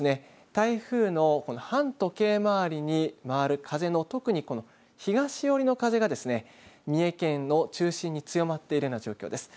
台風の反時計回りに回る風の特に、この東寄りの風がですね三重県の中心に強まっているような状況です。